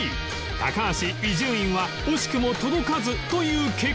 高橋伊集院は惜しくも届かずという結果に